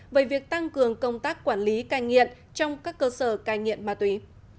về việc tăng cường công tác quản lý cai nghiện trong các cơ sở cai nghiện ma túy